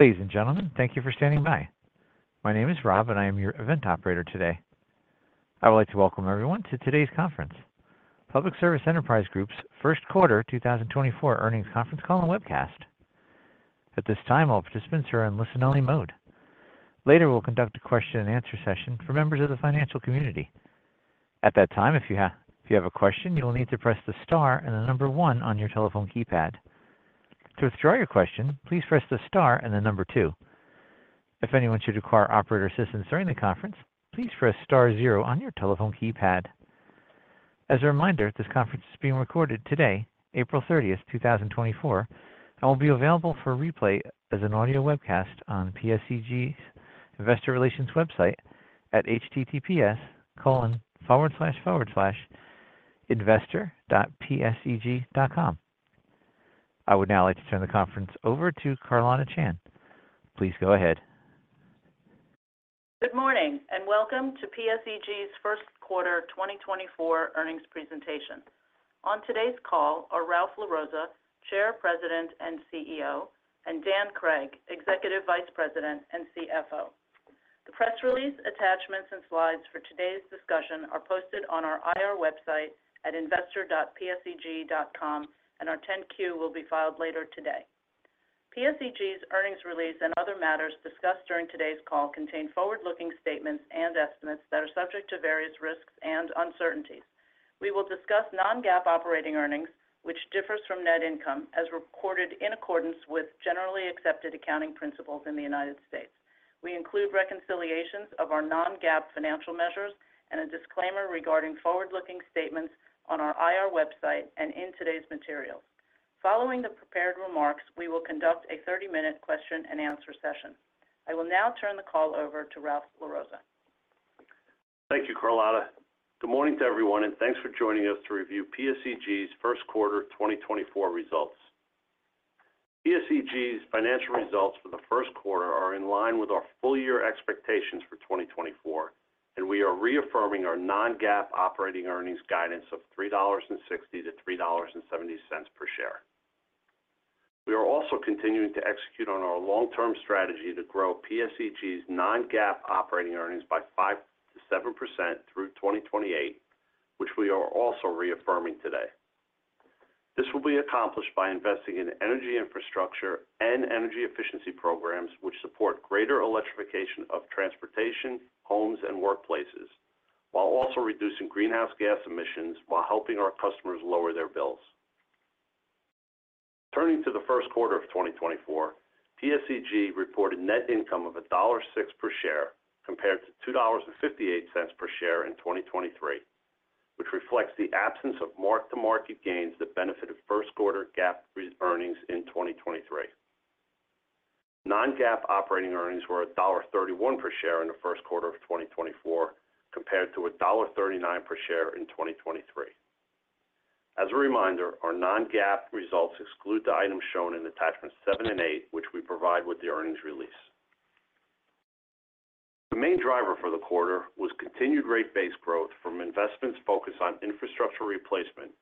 Ladies and gentlemen, thank you for standing by. My name is Rob, and I am your event operator today. I would like to welcome everyone to today's conference, Public Service Enterprise Group's First Quarter 2024 Earnings Conference Call and Webcast. At this time, all participants are in listen-only mode. Later, we'll conduct a question-and-answer session for members of the financial community. At that time, if you have a question, you will need to press the star and the number one on your telephone keypad. To withdraw your question, please press the star and the number two. If anyone should require operator assistance during the conference, please press star zero on your telephone keypad. As a reminder, this conference is being recorded today, April thirtieth, two thousand and twenty-four, and will be available for replay as an audio webcast on PSEG's Investor Relations website at https://investor.pseg.com. I would now like to turn the conference over to Carlotta Chan. Please go ahead. Good morning, and welcome to PSEG's first quarter 2024 earnings presentation. On today's call are Ralph LaRossa, Chair, President, and CEO; and Dan Cregg, Executive Vice President and CFO. The press release, attachments, and slides for today's discussion are posted on our IR website at investor.pseg.com, and our 10-Q will be filed later today. PSEG's earnings release and other matters discussed during today's call contain forward-looking statements and estimates that are subject to various risks and uncertainties. We will discuss non-GAAP operating earnings, which differs from net income, as reported in accordance with generally accepted accounting principles in the United States. We include reconciliations of our non-GAAP financial measures and a disclaimer regarding forward-looking statements on our IR website and in today's materials. Following the prepared remarks, we will conduct a 30-minute question-and-answer session. I will now turn the call over to Ralph LaRossa. Thank you, Carlotta. Good morning to everyone, and thanks for joining us to review PSEG's first quarter 2024 results. PSEG's financial results for the first quarter are in line with our full year expectations for 2024, and we are reaffirming our non-GAAP operating earnings guidance of $3.60-$3.70 per share. We are also continuing to execute on our long-term strategy to grow PSEG's non-GAAP operating earnings by 5%-7% through 2028, which we are also reaffirming today. This will be accomplished by investing in energy infrastructure and energy efficiency programs, which support greater electrification of transportation, homes, and workplaces, while also reducing greenhouse gas emissions, while helping our customers lower their bills. Turning to the first quarter of 2024, PSEG reported net income of $1.06 per share, compared to $2.58 per share in 2023, which reflects the absence of mark-to-market gains that benefited first quarter GAAP earnings in 2023. non-GAAP operating earnings were $1.31 per share in the first quarter of 2024, compared to $1.39 per share in 2023. As a reminder, our non-GAAP results exclude the items shown in attachments 7 and 8, which we provide with the earnings release. The main driver for the quarter was continued rate base growth from investments focused on infrastructure replacement,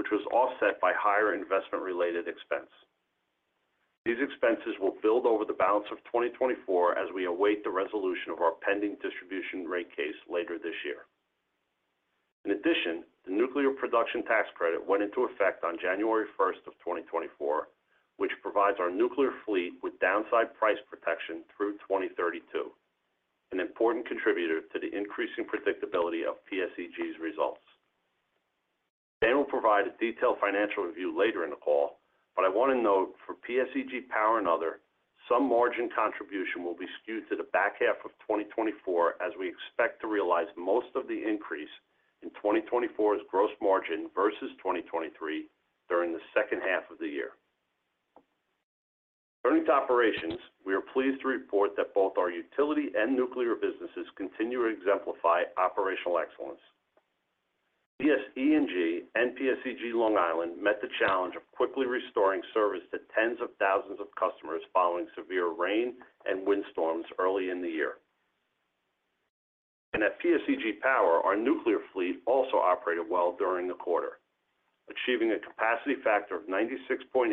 which was offset by higher investment-related expense. These expenses will build over the balance of 2024 as we await the resolution of our pending distribution rate case later this year. In addition, the nuclear production tax credit went into effect on January 1, 2024, which provides our nuclear fleet with downside price protection through 2032, an important contributor to the increasing predictability of PSEG's results. Dan will provide a detailed financial review later in the call, but I want to note for PSEG Power and Other, some margin contribution will be skewed to the back half of 2024, as we expect to realize most of the increase in 2024's gross margin versus 2023 during the second half of the year. Turning to operations, we are pleased to report that both our utility and nuclear businesses continue to exemplify operational excellence. PSE&G and PSEG Long Island met the challenge of quickly restoring service to tens of thousands of customers following severe rain and wind storms early in the year. At PSEG Power, our nuclear fleet also operated well during the quarter, achieving a capacity factor of 96.8%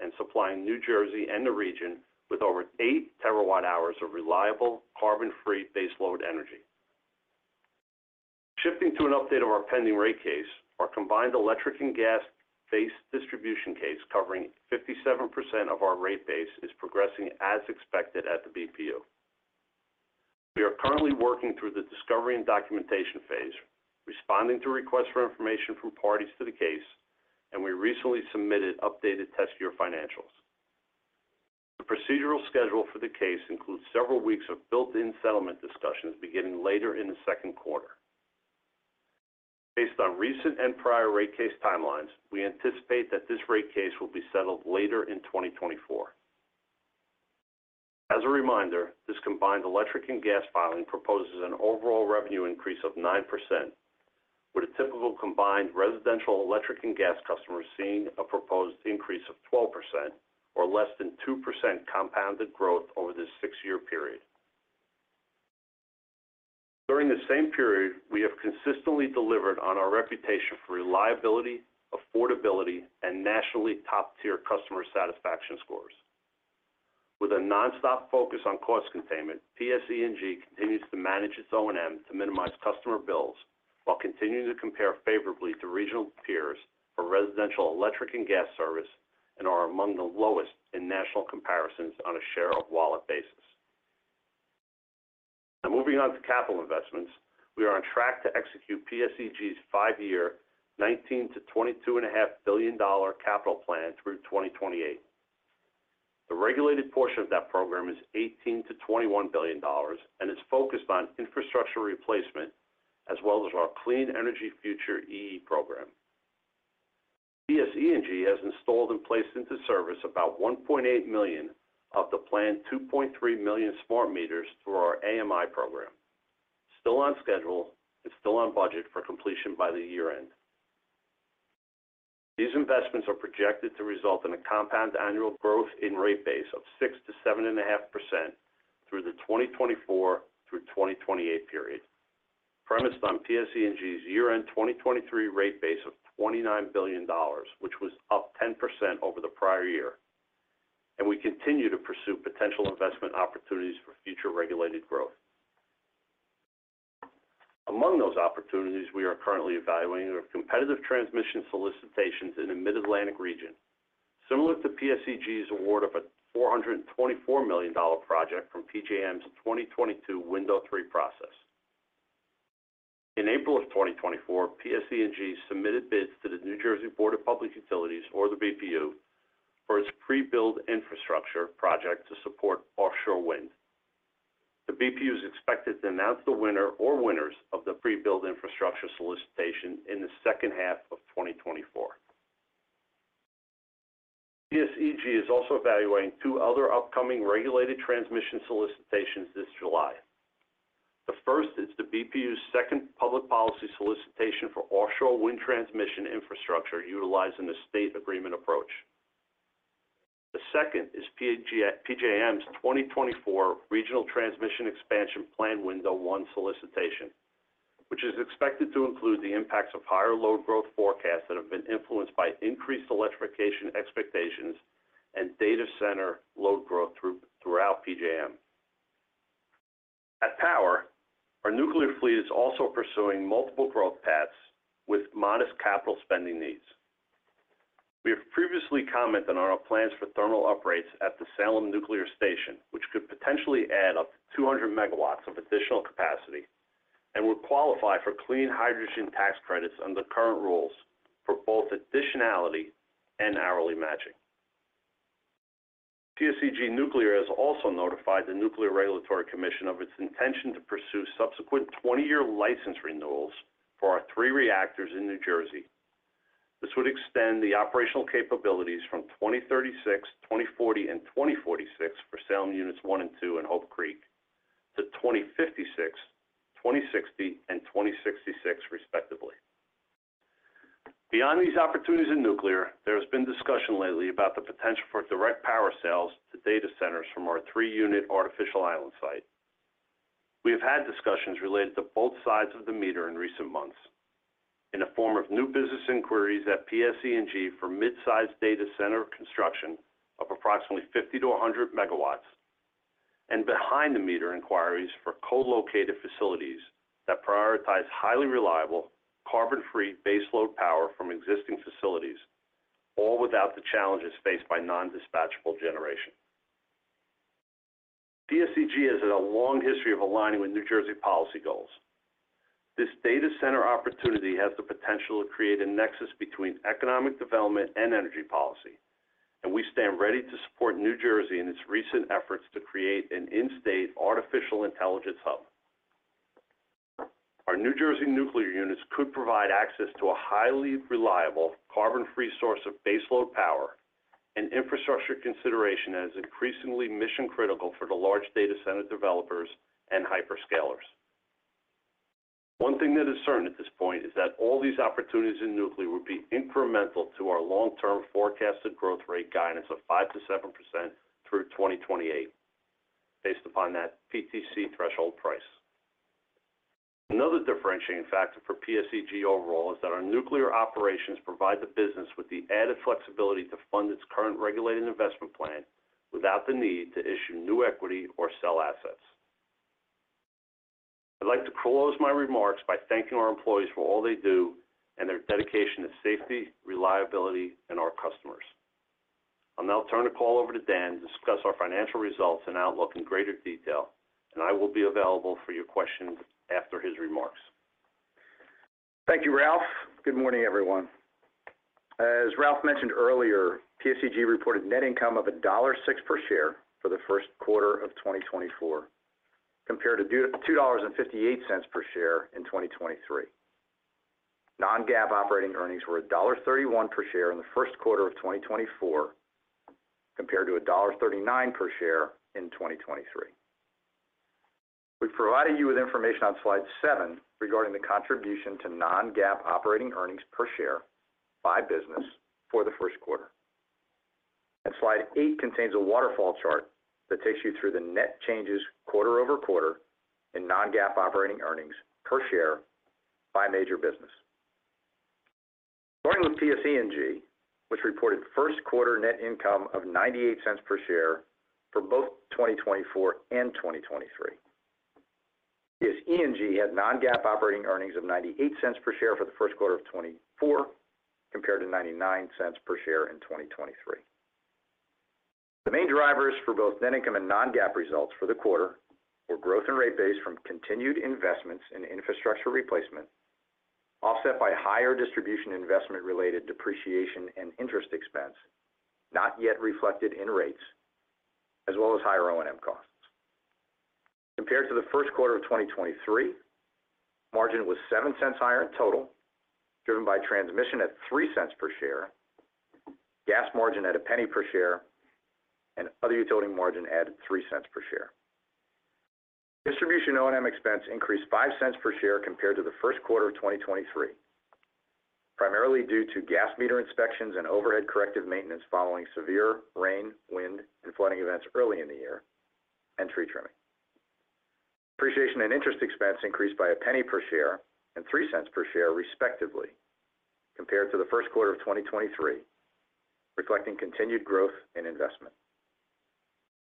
and supplying New Jersey and the region with over 8 TWh of reliable, carbon-free baseload energy. Shifting to an update of our pending rate case, our combined electric and gas base distribution case, covering 57% of our rate base, is progressing as expected at the BPU. We are currently working through the discovery and documentation phase, responding to requests for information from parties to the case, and we recently submitted updated test year financials. The procedural schedule for the case includes several weeks of built-in settlement discussions beginning later in the second quarter. Based on recent and prior rate case timelines, we anticipate that this rate case will be settled later in 2024. As a reminder, this combined electric and gas filing proposes an overall revenue increase of 9%, with a typical combined residential, electric, and gas customer seeing a proposed increase of 12% or less than 2% compounded growth over this six-year period. During the same period, we have consistently delivered on our reputation for reliability, affordability, and nationally top-tier customer satisfaction scores. With a nonstop focus on cost containment, PSEG continues to manage its O&M to minimize customer bills, while continuing to compare favorably to regional peers for residential, electric, and gas service, and are among the lowest in national comparisons on a share-of-wallet basis. Now, moving on to capital investments, we are on track to execute PSEG's five-year $19 billion-$22.5 billion capital plan through 2028. The regulated portion of that program is $18 billion-$21 billion, and is focused on infrastructure replacement, as well as our Clean Energy Future EE program. PSEG has installed and placed into service about 1.8 million of the planned 2.3 million smart meters through our AMI program, still on schedule and still on budget for completion by year-end. These investments are projected to result in a compound annual growth in rate base of 6%-7.5% through the 2024 through 2028 period. Premised on PSEG's year-end 2023 rate base of $29 billion, which was up 10% over the prior year, and we continue to pursue potential investment opportunities for future regulated growth. Among those opportunities we are currently evaluating are competitive transmission solicitations in the Mid-Atlantic region, similar to PSEG's award of a $424 million project from PJM's 2022 Window 3 process. In April of 2024, PSEG submitted bids to the New Jersey Board of Public Utilities, or the BPU, for its pre-build infrastructure project to support offshore wind. The BPU is expected to announce the winner or winners of the pre-build infrastructure solicitation in the second half of 2024. PSEG is also evaluating two other upcoming regulated transmission solicitations this July. The first is the BPU's second public policy solicitation for offshore wind transmission infrastructure utilizing a State Agreement Approach. The second is PJM's 2024 Regional Transmission Expansion Plan Window 1 solicitation, which is expected to include the impacts of higher load growth forecasts that have been influenced by increased electrification expectations and data center load growth throughout PJM. At PSEG Power, our nuclear fleet is also pursuing multiple growth paths with modest capital spending needs. We have previously commented on our plans for thermal upgrades at the Salem Nuclear Station, which could potentially add up to 200 MW of additional capacity and would qualify for clean hydrogen tax credits under current rules for both additionality and hourly matching. PSEG Nuclear has also notified the Nuclear Regulatory Commission of its intention to pursue subsequent 20-year license renewals for our three reactors in New Jersey. This would extend the operational capabilities from 2036, 2040, and 2046 for Salem Units One and Two and Hope Creek to 2056, 2060, and 2066, respectively. Beyond these opportunities in nuclear, there has been discussion lately about the potential for direct power sales to data centers from our 3-unit Artificial Island site. We have had discussions related to both sides of the meter in recent months in the form of new business inquiries at PSEG for mid-sized data center construction of approximately 50-100 megawatts, and behind the meter inquiries for co-located facilities that prioritize highly reliable, carbon-free baseload power from existing facilities, all without the challenges faced by non-dispatchable generation. PSEG has a long history of aligning with New Jersey policy goals. This data center opportunity has the potential to create a nexus between economic development and energy policy, and we stand ready to support New Jersey in its recent efforts to create an in-state artificial intelligence hub. Our New Jersey nuclear units could provide access to a highly reliable, carbon-free source of baseload power and infrastructure consideration that is increasingly mission-critical for the large data center developers and hyperscalers. One thing that is certain at this point is that all these opportunities in nuclear would be incremental to our long-term forecasted growth rate guidance of 5%-7% through 2028, based upon that PTC threshold price. Another differentiating factor for PSEG overall is that our nuclear operations provide the business with the added flexibility to fund its current regulated investment plan without the need to issue new equity or sell assets. I'd like to close my remarks by thanking our employees for all they do and their dedication to safety, reliability, and our customers. I'll now turn the call over to Dan to discuss our financial results and outlook in greater detail, and I will be available for your questions after his remarks. Thank you, Ralph. Good morning, everyone. As Ralph mentioned earlier, PSEG reported net income of $1.06 per share for the first quarter of 2024, compared to $2.58 per share in 2023. non-GAAP operating earnings were $1.31 per share in the first quarter of 2024, compared to $1.39 per share in 2023. We've provided you with information on slide 7 regarding the contribution to non-GAAP operating earnings per share by business for the first quarter.... Slide 8 contains a waterfall chart that takes you through the net changes quarter-over-quarter in non-GAAP operating earnings per share by major business. Starting with PSE&G, which reported first quarter net income of $0.98 per share for both 2024 and 2023. PSE&G had non-GAAP operating earnings of $0.98 per share for the first quarter of 2024, compared to $0.99 per share in 2023. The main drivers for both net income and non-GAAP results for the quarter were growth in rate base from continued investments in infrastructure replacement, offset by higher distribution investment-related depreciation and interest expense, not yet reflected in rates, as well as higher O&M costs. Compared to the first quarter of 2023, margin was $0.07 higher in total, driven by transmission at $0.03 per share, gas margin at $0.01 per share, and other utility margin at $0.03 per share. Distribution O&M expense increased $0.05 per share compared to the first quarter of 2023, primarily due to gas meter inspections and overhead corrective maintenance following severe rain, wind, and flooding events early in the year, and tree trimming. Depreciation and interest expense increased by $0.01 per share and $0.03 per share, respectively, compared to the first quarter of 2023, reflecting continued growth in investment.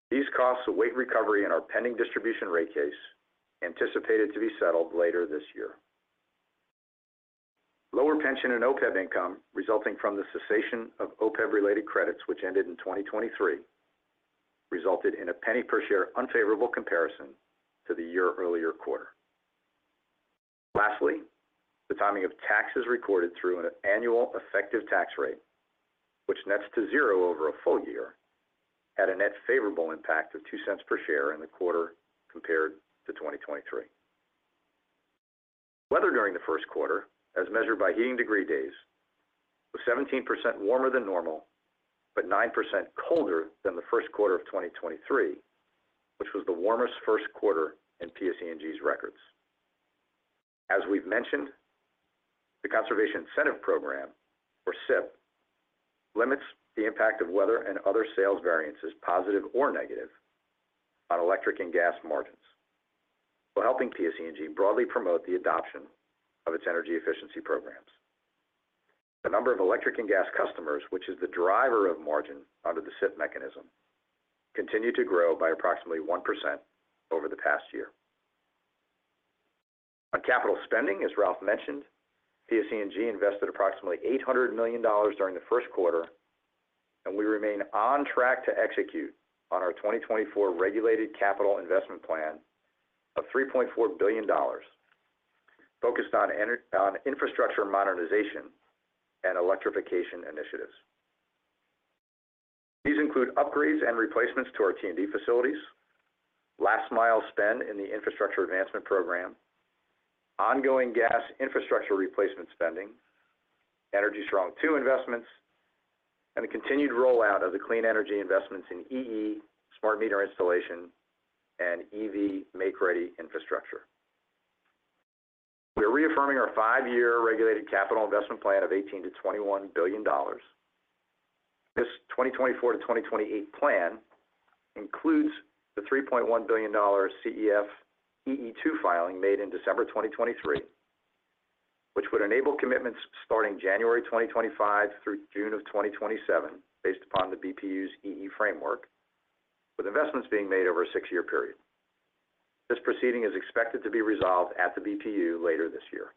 These costs await recovery in our pending distribution rate case, anticipated to be settled later this year. Lower pension and OPEB income, resulting from the cessation of OPEB-related credits, which ended in 2023, resulted in $0.01 per share unfavorable comparison to the year earlier quarter. Lastly, the timing of taxes recorded through an annual effective tax rate, which nets to zero over a full year, had a net favorable impact of $0.02 per share in the quarter compared to 2023. Weather during the first quarter, as measured by heating degree days, was 17% warmer than normal, but 9% colder than the first quarter of 2023, which was the warmest first quarter in PSE&G's records. As we've mentioned, the Conservation Incentive Program, or CIP, limits the impact of weather and other sales variances, positive or negative, on electric and gas margins, while helping PSE&G broadly promote the adoption of its energy efficiency programs. The number of electric and gas customers, which is the driver of margin under the CIP mechanism, continued to grow by approximately 1% over the past year. On capital spending, as Ralph mentioned, PSE&G invested approximately $800 million during the first quarter, and we remain on track to execute on our 2024 regulated capital investment plan of $3.4 billion, focused on infrastructure modernization and electrification initiatives. These include upgrades and replacements to our T&D facilities, last mile spend in the Infrastructure Advancement Program, ongoing gas infrastructure replacement spending, Energy Strong II investments, and a continued rollout of the clean energy investments in EE, smart meter installation, and EV make-ready infrastructure. We are reaffirming our five-year regulated capital investment plan of $18 billion-$21 billion. This 2024-2028 plan includes the $3.1 billion CEF-EE II filing made in December 2023, which would enable commitments starting January 2025 through June of 2027, based upon the BPU's EE framework, with investments being made over a six-year period. This proceeding is expected to be resolved at the BPU later this year.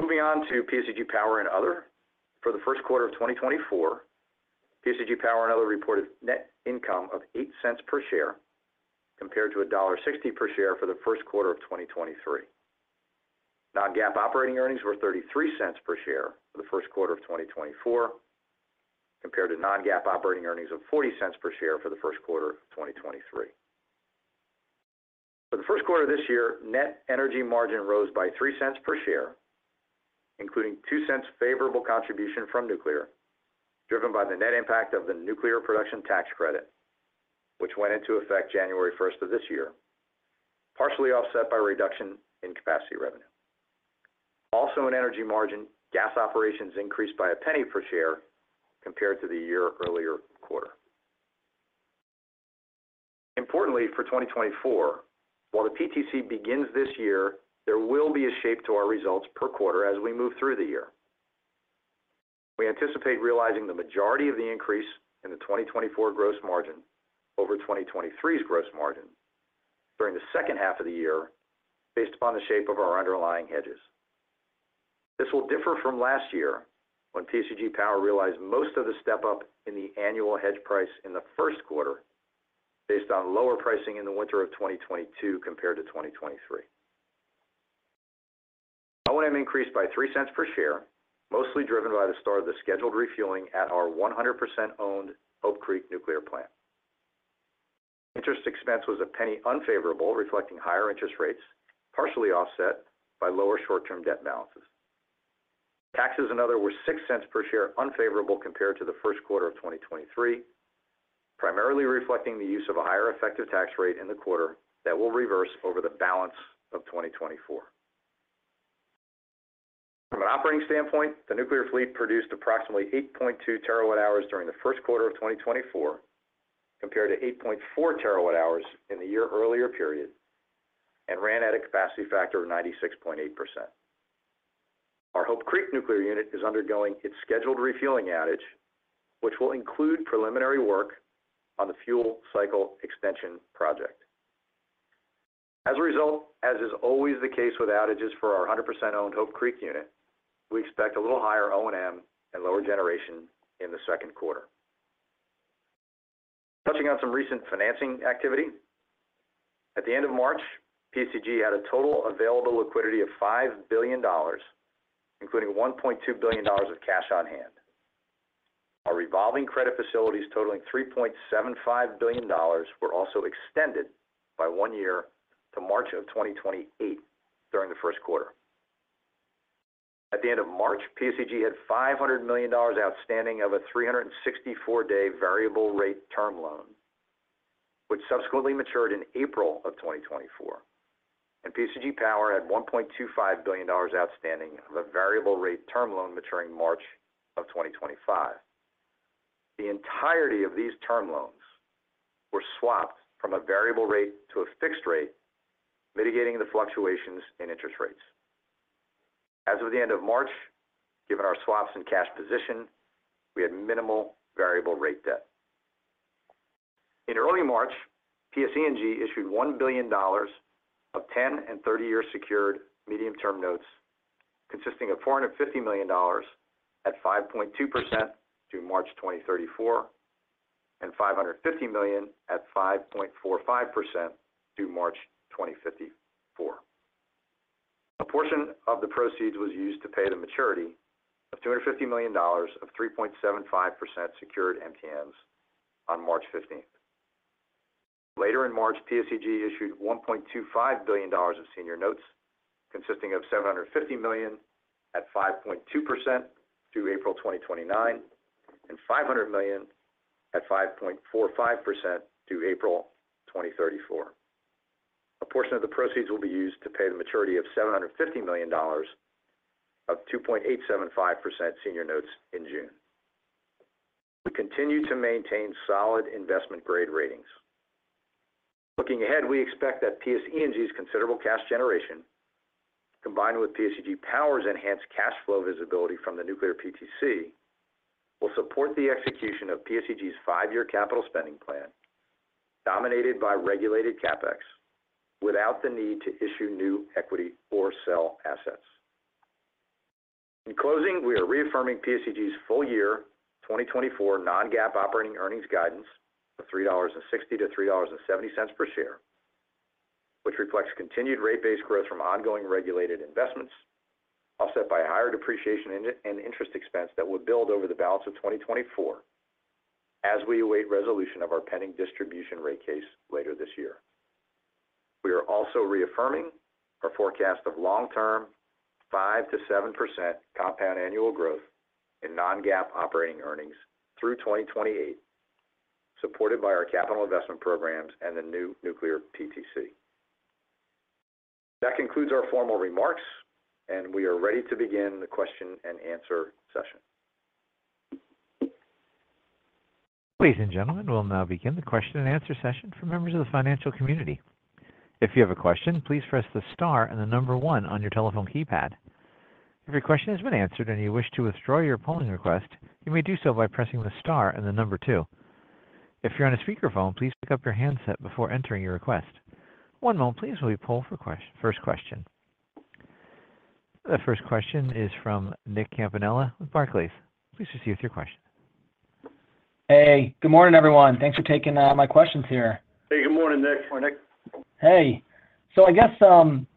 Moving on to PSEG Power and Other. For the first quarter of 2024, PSEG Power and Other reported net income of $0.08 per share, compared to $1.60 per share for the first quarter of 2023. non-GAAP operating earnings were $0.33 per share for the first quarter of 2024, compared to non-GAAP operating earnings of $0.40 per share for the first quarter of 2023. For the first quarter of this year, net energy margin rose by $0.03 per share, including $0.02 favorable contribution from nuclear, driven by the net impact of the nuclear production tax credit, which went into effect January 1 of this year, partially offset by a reduction in capacity revenue. Also in energy margin, gas operations increased by $0.01 per share compared to the year-earlier quarter. Importantly, for 2024, while the PTC begins this year, there will be a shape to our results per quarter as we move through the year. We anticipate realizing the majority of the increase in the 2024 gross margin over 2023's gross margin during the second half of the year, based upon the shape of our underlying hedges. This will differ from last year, when PSEG Power realized most of the step-up in the annual hedge price in the first quarter, based on lower pricing in the winter of 2022 compared to 2023. O&M increased by $0.03 per share, mostly driven by the start of the scheduled refueling at our 100% owned Hope Creek nuclear plant. Interest expense was $0.01 unfavorable, reflecting higher interest rates, partially offset by lower short-term debt balances. Taxes and other were $0.06 per share unfavorable compared to the first quarter of 2023, primarily reflecting the use of a higher effective tax rate in the quarter that will reverse over the balance of 2024. From an operating standpoint, the nuclear fleet produced approximately 8.2 terawatt hours during the first quarter of 2024, compared to 8.4 terawatt hours in the year earlier period, and ran at a capacity factor of 96.8%. Our Hope Creek Nuclear Unit is undergoing its scheduled refueling outage, which will include preliminary work on the fuel cycle extension project. As a result, as is always the case with outages for our 100% owned Hope Creek unit, we expect a little higher O&M and lower generation in the second quarter. Touching on some recent financing activity, at the end of March, PSEG had a total available liquidity of $5 billion, including $1.2 billion of cash on hand. Our revolving credit facilities totaling $3.75 billion were also extended by 1 year to March 2028 during the first quarter. At the end of March, PSEG had $500 million outstanding of a 364-day variable rate term loan, which subsequently matured in April 2024, and PSEG Power had $1.25 billion outstanding of a variable rate term loan maturing March 2025. The entirety of these term loans were swapped from a variable rate to a fixed rate, mitigating the fluctuations in interest rates. As of the end of March, given our swaps and cash position, we had minimal variable rate debt. In early March, PSE&G issued $1 billion of 10- and 30-year secured medium-term notes, consisting of $450 million at 5.2% through March 2034, and $550 million at 5.45% through March 2054. A portion of the proceeds was used to pay the maturity of $250 million of 3.75% secured MTNs on March 15. Later in March, PSEG issued $1.25 billion of senior notes, consisting of $750 million at 5.2% through April 2029, and $500 million at 5.45% through April 2034. A portion of the proceeds will be used to pay the maturity of $750 million of 2.875% senior notes in June. We continue to maintain solid investment grade ratings. Looking ahead, we expect that PSE&G's considerable cash generation, combined with PSEG Power's enhanced cash flow visibility from the nuclear PTC, will support the execution of PSEG's five-year capital spending plan, dominated by regulated CapEx, without the need to issue new equity or sell assets. In closing, we are reaffirming PSEG's full year 2024 non-GAAP operating earnings guidance of $3.60-$3.70 per share, which reflects continued rate-based growth from ongoing regulated investments, offset by higher depreciation and interest expense that will build over the balance of 2024 as we await resolution of our pending distribution rate case later this year. We are also reaffirming our forecast of long-term 5%-7% compound annual growth in non-GAAP Operating Earnings through 2028, supported by our capital investment programs and the new nuclear PTC. That concludes our formal remarks, and we are ready to begin the question and answer session. Ladies and gentlemen, we'll now begin the question and answer session for members of the financial community. If you have a question, please press the star and the number one on your telephone keypad. If your question has been answered and you wish to withdraw your polling request, you may do so by pressing the star and the number two. If you're on a speakerphone, please pick up your handset before entering your request. One moment please, while we poll for first question. The first question is from Nick Campanella with Barclays. Please proceed with your question. Hey, good morning, everyone. Thanks for taking my questions here. Hey, good morning, Nick. Hey. So I guess,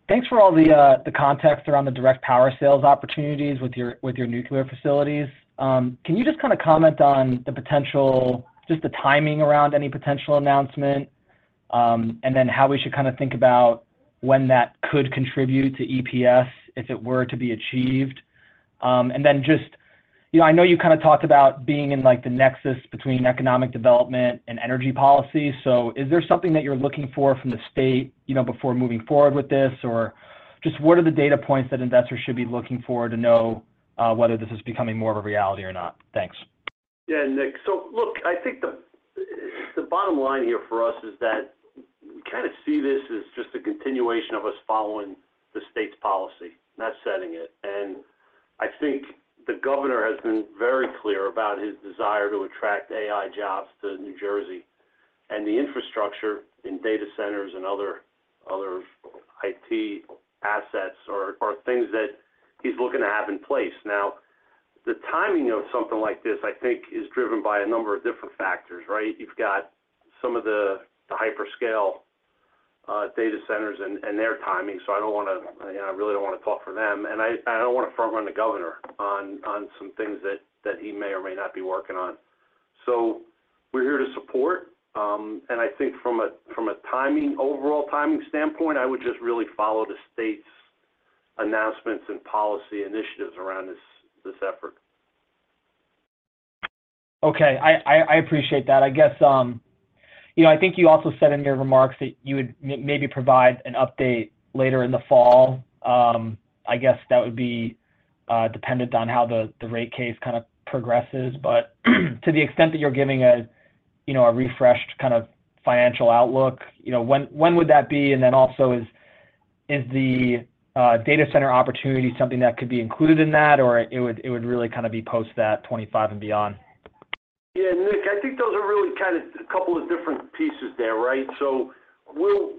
thanks for all the, the context around the direct power sales opportunities with your, with your nuclear facilities. Can you just kind of comment on the potential, just the timing around any potential announcement, and then how we should kind of think about when that could contribute to EPS if it were to be achieved? And then just, you know, I know you kind of talked about being in, like, the nexus between economic development and energy policy. So is there something that you're looking for from the state, you know, before moving forward with this? Or just what are the data points that investors should be looking for to know, whether this is becoming more of a reality or not? Thanks. Yeah, Nick. So look, I think the bottom line here for us is that we kind of see this as just a continuation of us following the state's policy, not setting it. And I think the governor has been very clear about his desire to attract AI jobs to New Jersey, and the infrastructure in data centers and other IT assets are things that he's looking to have in place. Now, the timing of something like this, I think, is driven by a number of different factors, right? You've got some of the hyperscale data centers and their timing, so I don't want to, I really don't want to talk for them. And I don't want to front run the governor on some things that he may or may not be working on. We're here to support, and I think from a timing, overall timing standpoint, I would just really follow the state's announcements and policy initiatives around this effort.... Okay, I appreciate that. I guess, you know, I think you also said in your remarks that you would maybe provide an update later in the fall. I guess that would be dependent on how the rate case kind of progresses. But to the extent that you're giving a, you know, a refreshed kind of financial outlook, you know, when would that be? And then also, is the data center opportunity something that could be included in that, or it would really kind of be post that 25 and beyond? Yeah, Nick, I think those are really kind of a couple of different pieces there, right? So we'll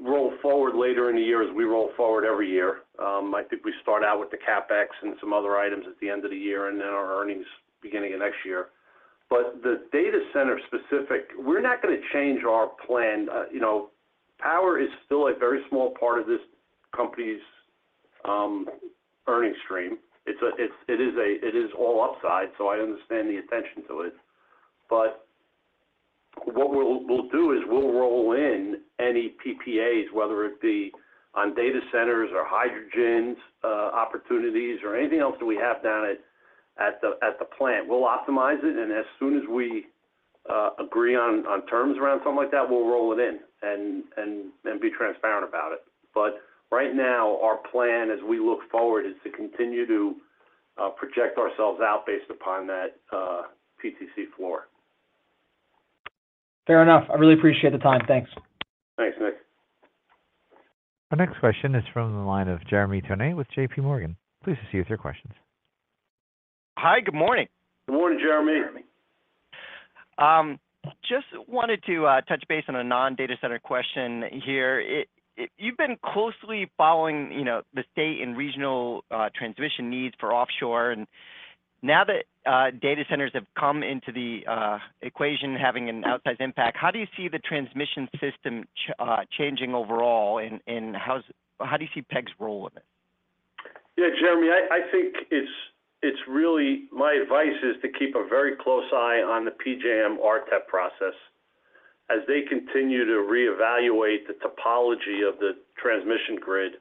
roll forward later in the year as we roll forward every year. I think we start out with the CapEx and some other items at the end of the year, and then our earnings beginning of next year. But the data center specific, we're not going to change our plan. You know, power is still a very small part of this company's earning stream. It is all upside, so I understand the attention to it. But what we'll do is we'll roll in any PPAs, whether it be on data centers or hydrogens opportunities or anything else that we have down at the plant. We'll optimize it, and as soon as we agree on terms around something like that, we'll roll it in and be transparent about it. But right now, our plan as we look forward is to continue to project ourselves out based upon that PTC floor. Fair enough. I really appreciate the time. Thanks. Thanks, Nick. Our next question is from the line of Jeremy Tonet with J.P. Morgan. Please proceed with your questions. Hi, good morning. Good morning, Jeremy. Just wanted to touch base on a non-data center question here. You've been closely following, you know, the state and regional transmission needs for offshore, and now that data centers have come into the equation having an outsized impact, how do you see the transmission system changing overall, and how do you see PSEG's role in it? Yeah, Jeremy, I think it's really... My advice is to keep a very close eye on the PJM RTEP process. As they continue to reevaluate the topology of the transmission grid,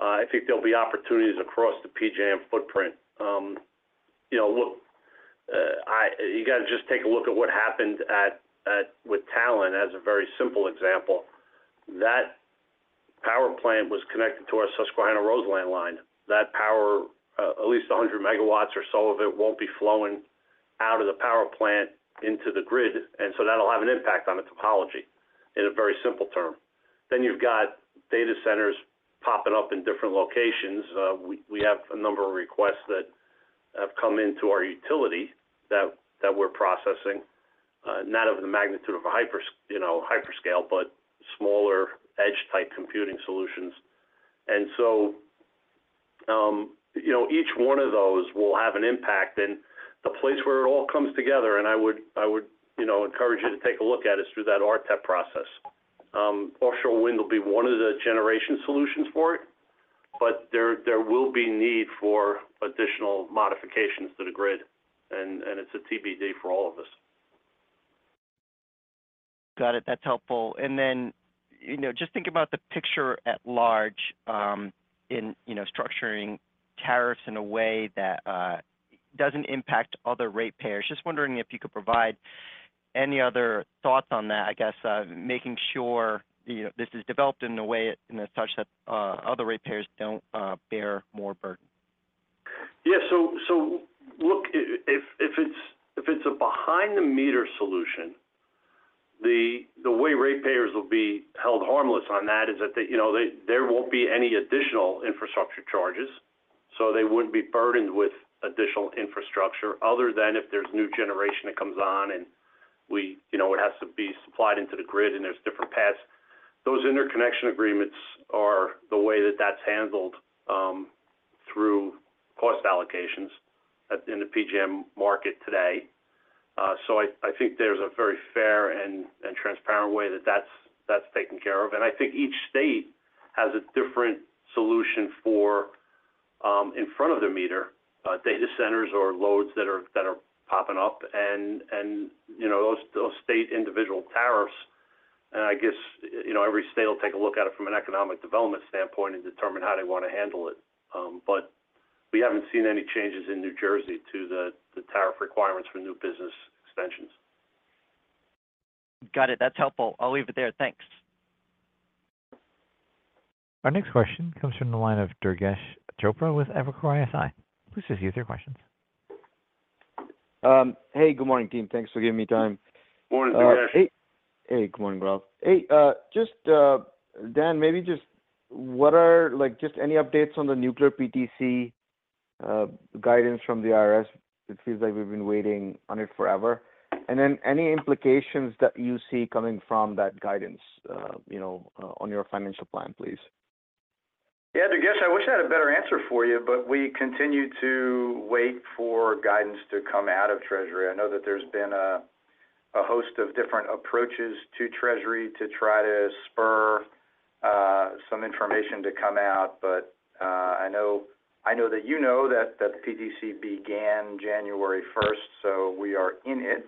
I think there'll be opportunities across the PJM footprint. You know, look, you got to just take a look at what happened with Talen as a very simple example. That power plant was connected to our Susquehanna-Roseland line. That power, at least 100 MW or so of it, won't be flowing out of the power plant into the grid, and so that'll have an impact on the topology, in a very simple term. Then you've got data centers popping up in different locations. We have a number of requests that have come into our utility that we're processing, not of the magnitude of a hyperscale, you know, but smaller edge-type computing solutions. And so, you know, each one of those will have an impact. And the place where it all comes together, I would, you know, encourage you to take a look at, is through that RTEP process. Offshore wind will be one of the generation solutions for it, but there will be need for additional modifications to the grid, and it's a TBD for all of us. Got it. That's helpful. And then, you know, just thinking about the picture at large, in you know, structuring tariffs in a way that doesn't impact other ratepayers. Just wondering if you could provide any other thoughts on that. I guess, making sure, you know, this is developed in a way such that other ratepayers don't bear more burden. Yeah, so look, if it's a behind-the-meter solution, the way ratepayers will be held harmless on that is that, you know, there won't be any additional infrastructure charges, so they wouldn't be burdened with additional infrastructure other than if there's new generation that comes on and we... You know, it has to be supplied into the grid, and there's different paths. Those interconnection agreements are the way that that's handled through cost allocations in the PJM market today. So I think there's a very fair and transparent way that that's taken care of. And I think each state has a different solution for in front of the meter data centers or loads that are popping up. You know, those state individual tariffs, and I guess, you know, every state will take a look at it from an economic development standpoint and determine how they want to handle it. But we haven't seen any changes in New Jersey to the tariff requirements for new business expansions. Got it. That's helpful. I'll leave it there. Thanks. Our next question comes from the line of Durgesh Chopra with Evercore ISI. Please proceed with your questions. Hey, good morning, team. Thanks for giving me time. Morning, Durgesh. Hey. Hey, good morning, Ralph. Hey, just, Dan, maybe just what are, like, just any updates on the nuclear PTC, guidance from the IRS? It seems like we've been waiting on it forever. And then, any implications that you see coming from that guidance, you know, on your financial plan, please? Yeah, Durgesh, I wish I had a better answer for you, but we continue to wait for guidance to come out of Treasury. I know that there's been a host of different approaches to Treasury to try to spur some information to come out, but I know, I know that you know that the PTC began January first, so we are in it. ...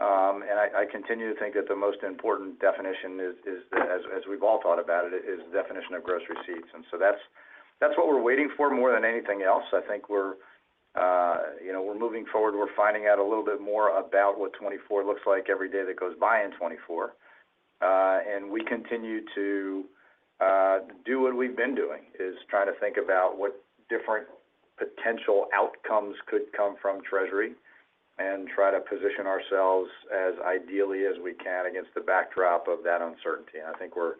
and I continue to think that the most important definition is, as we've all thought about it, the definition of gross receipts. And so that's what we're waiting for more than anything else. I think we're, you know, moving forward, finding out a little bit more about what 2024 looks like every day that goes by in 2024. And we continue to do what we've been doing, try to think about what different potential outcomes could come from Treasury, and try to position ourselves as ideally as we can against the backdrop of that uncertainty. And I think we're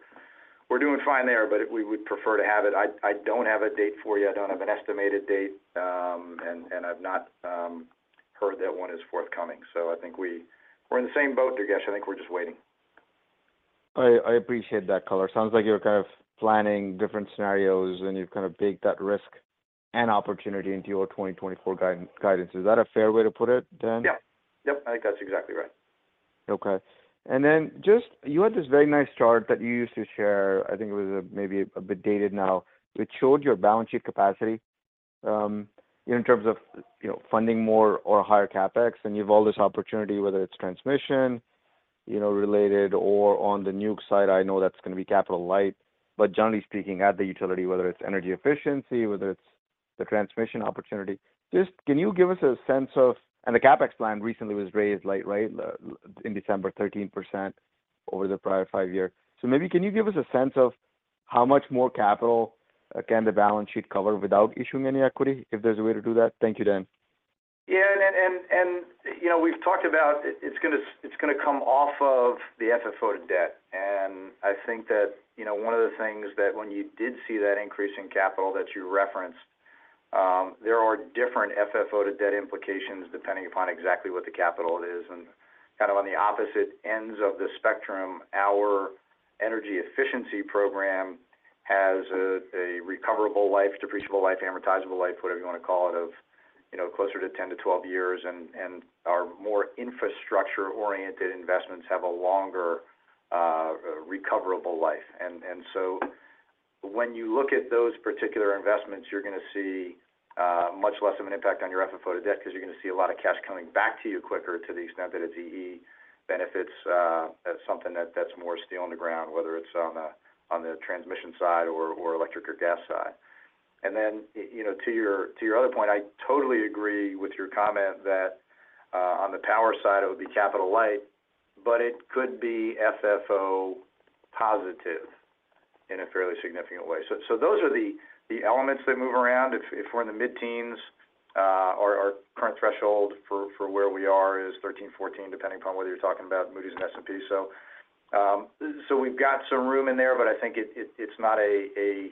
doing fine there, but we would prefer to have it. I don't have a date for you. I don't have an estimated date, and I've not heard that one is forthcoming. I think we're in the same boat, Durgesh. I think we're just waiting. I appreciate that color. Sounds like you're kind of planning different scenarios, and you've kind of baked that risk and opportunity into your 2024 guidance. Is that a fair way to put it, Dan? Yep. Yep, I think that's exactly right. Okay. And then just, you had this very nice chart that you used to share, I think it was, maybe a bit dated now, which showed your balance sheet capacity, in terms of, you know, funding more or higher CapEx, and you've all this opportunity, whether it's transmission, you know, related or on the nuke side, I know that's going to be capital light. But generally speaking, at the utility, whether it's energy efficiency, whether it's the transmission opportunity, just can you give us a sense of, and the CapEx plan recently was raised lately, right? In December, 13% over the prior five-year. So maybe can you give us a sense of how much more capital can the balance sheet cover without issuing any equity, if there's a way to do that? Thank you, Dan. Yeah, you know, we've talked about it, it's gonna come off of the FFO to debt. And I think that, you know, one of the things that when you did see that increase in capital that you referenced, there are different FFO to debt implications, depending upon exactly what the capital is. And kind of on the opposite ends of the spectrum, our energy efficiency program has a recoverable life, depreciable life, amortizable life, whatever you want to call it, of, you know, closer to 10-12 years, and our more infrastructure-oriented investments have a longer recoverable life. So when you look at those particular investments, you're gonna see much less of an impact on your FFO to debt, because you're going to see a lot of cash coming back to you quicker to the extent that it's EE benefits, as something that's more steel on the ground, whether it's on the transmission side or electric or gas side. And then, you know, to your other point, I totally agree with your comment that on the power side, it would be capital light, but it could be FFO positive in a fairly significant way. So those are the elements that move around. If we're in the mid-teens, our current threshold for where we are is 13, 14, depending upon whether you're talking about Moody's and S&P. So, we've got some room in there, but I think it's not a...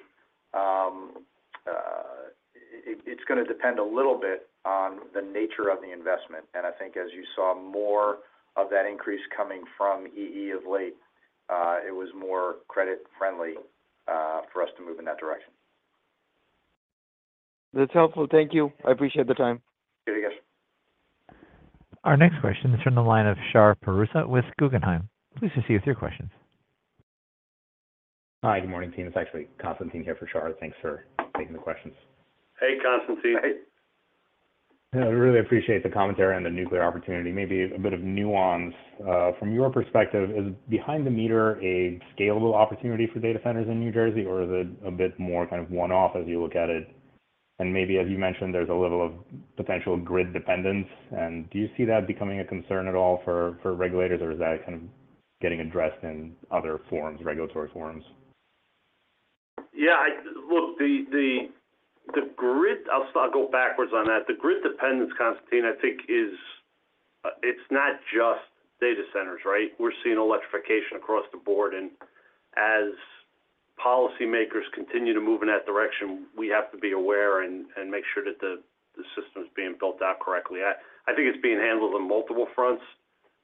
It's gonna depend a little bit on the nature of the investment. And I think as you saw more of that increase coming from EE of late, it was more credit-friendly for us to move in that direction. That's helpful. Thank you. I appreciate the time. Thank you. Our next question is from the line of Shahriar Pourreza with Guggenheim. Please proceed with your questions. Hi, good morning, team. It's actually Constantine here for Shar. Thanks for taking the questions. Hey, Constantine. Yeah, I really appreciate the commentary on the nuclear opportunity. Maybe a bit of nuance. From your perspective, is behind the meter a scalable opportunity for data centers in New Jersey, or is it a bit more kind of one-off as you look at it? And maybe, as you mentioned, there's a level of potential grid dependence, and do you see that becoming a concern at all for regulators, or is that kind of getting addressed in other forums, regulatory forums? Yeah, I look, the grid. I'll go backwards on that. The grid dependence, Constantine, I think is, it's not just data centers, right? We're seeing electrification across the board, and as policymakers continue to move in that direction, we have to be aware and make sure that the system is being built out correctly. I think it's being handled on multiple fronts.